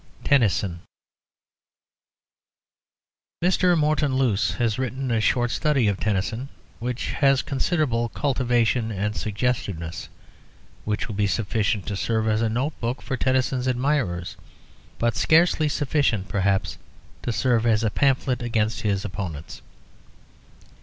TENNYSON Mr. Morton Luce has written a short study of Tennyson which has considerable cultivation and suggestiveness, which will be sufficient to serve as a notebook for Tennyson's admirers, but scarcely sufficient, perhaps, to serve as a pamphlet against his opponents.